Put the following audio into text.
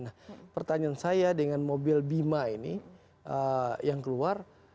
nah pertanyaan saya dengan mobil bima ini yang keluar